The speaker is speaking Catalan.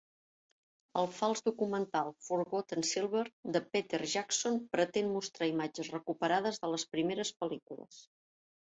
El fals documental "Forgotten Silver" de Peter Jackson pretén mostrar imatges recuperades de les primeres pel·lícules.